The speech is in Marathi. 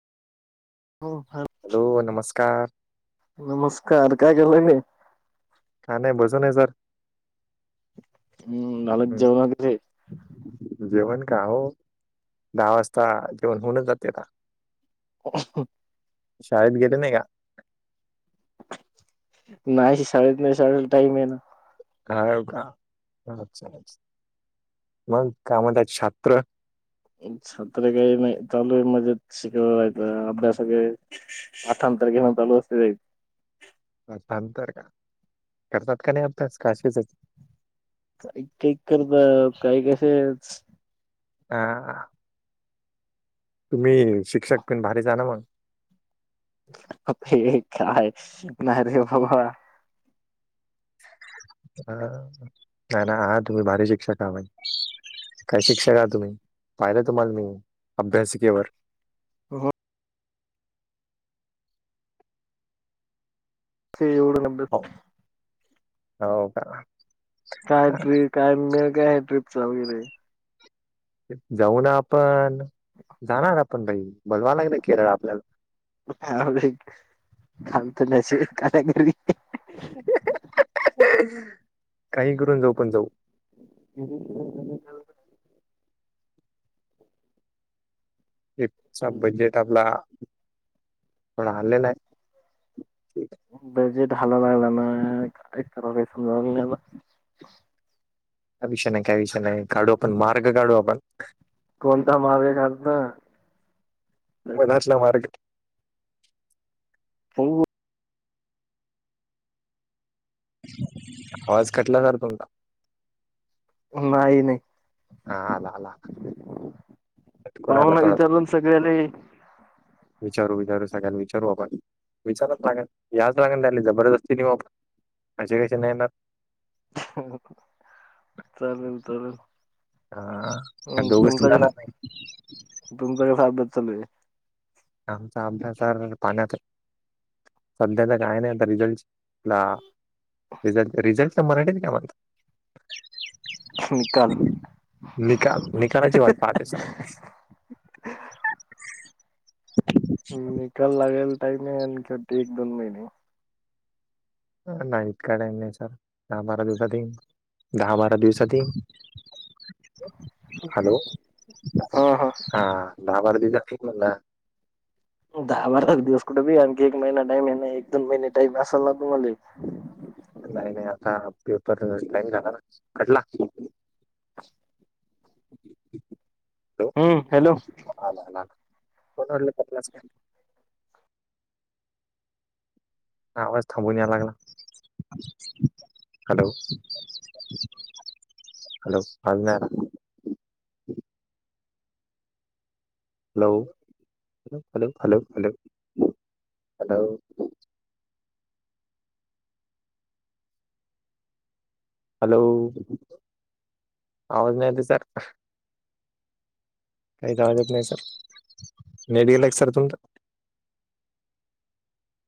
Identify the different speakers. Speaker 1: हो ह.
Speaker 2: हॅलो नमस्कार.
Speaker 1: नमस्कार काय केला
Speaker 2: का नाही बसुन आहे जर.
Speaker 1: हम् झाात जव नागिथे [unintelligible]
Speaker 2: जेवण का हो. दहा वाजता जेवन होऊन जाते का.
Speaker 1: हो.
Speaker 2: शाळेत गेले नाही का.
Speaker 1: नाहीशी शाळेत नाही शाळला टाईम आहे ना.
Speaker 2: हा काचछ मग कामत छात्र
Speaker 1: छत्र काही नाही चालू मजेत शिकव रायचं अभ्यासग अठन तारखेला चालू असते जाईल.
Speaker 2: पाठांतर का करतात का नाही अभ्यास का आशीच.
Speaker 1: काही काही करत काही कसे.
Speaker 2: हा. तुम्ही शिक्षक पण भारीच आहे न मग.
Speaker 1: शिक् खा आहे नाही भरा.
Speaker 2: ह नाही ना हा तुम्ही भारी शिक्षक आज. काय शिक्षक आ तुम्ही पाहिलं तुम्हाला मी अभ्यासिकेवर.
Speaker 1: हो तेव
Speaker 2: हो हो का.
Speaker 1: काय ट्रीप काय काय ट्र्रीपच वगैरे.
Speaker 2: जाऊ ना आपण जाणार आपण भाई.
Speaker 1: [inaudible] कालत नसे का कर.
Speaker 2: काही करून जाऊ पण जाऊ.
Speaker 1: हम् हम.
Speaker 2: एकचा बजेट आपला कोण आणलेला आहे.
Speaker 1: बजेट हाला लागला ना का कराव काही समजाव लाला.
Speaker 2: विषय नाही काय विषय नाही काढू आपण मार्ग काढू आपण.
Speaker 1: कोणता मार्ग काढता?
Speaker 2: मलाचला मार्ग.
Speaker 1: हो.
Speaker 2: आवाज खटला तर तुमचा.
Speaker 1: नाही नाही.
Speaker 2: हा आला, आला आला तडत.
Speaker 1: सगळले.
Speaker 2: विचारू विचारू सगळ्यांना विचारू आपण विचारत लागल याच लागल त्याली जबरदस्ती नेऊ आपण. माजे काही नाहीणार.
Speaker 1: चालेल चालेल.
Speaker 2: हा दोघांचं झाणार नाही.
Speaker 1: तुमचाडे फारब बद चालू आहे.
Speaker 2: आमचा अभ्यास पाण्यात. सध्याचा काय नाही आता रिझल्टला. रिझल्ट, रिझल्ट तर मराठीत काय म्हणतात.
Speaker 1: निकाल.
Speaker 2: निकाल, निकालाची वाट पाहते स.
Speaker 1: निकाल लागेल टाईम आहे छवटी एक दोन महिने.
Speaker 2: नाही इतका टाईम नाही सर दहा बारा दिवसात ये दहा-बारा दिवसात.
Speaker 1: [inaudible]
Speaker 2: हॅलो हा लाभर्द कामला.
Speaker 1: दहा-बारा दिवस कुठे बि आणखी एक महिना टाईम आहे एक दोन महिने टाईम असाल ना तुम्हाला.
Speaker 2: नाही, नाही आता पेपर लला ना कटला.
Speaker 1: [unintelligible] [inaudible]
Speaker 2: [unintelligible] [inaudible]
Speaker 1: हम्म, हॅलो!
Speaker 2: ह कोडलंलाच. वाज थांबवून या लागला. हॅलो! हल पा ना. Hello! Hello! Hello! Hello! Hello! Hello! आवाज नाही येत सर. काही ताकत नाही सर मेड गला एक सर तुमचां.